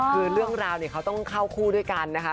คือเรื่องราวเนี่ยเขาต้องเข้าคู่ด้วยกันนะคะ